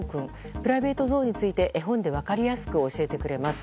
プライベートゾーンについて絵本で分かりやすく教えてくれます。